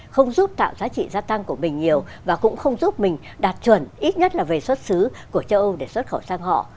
không giúp tạo giá trị gia tăng của mình nhiều và cũng không giúp mình đạt chuẩn ít nhất là về xuất xứ của châu âu để xuất khẩu sang họ